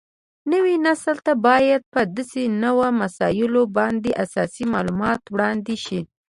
نوي نسل ته باید په داسې نوو مسایلو باندې اساسي معلومات وړاندې شي